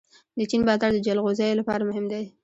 د چین بازار د جلغوزیو لپاره مهم دی.